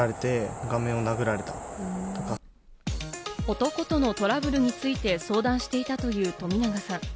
男とのトラブルについて相談していたという冨永さん。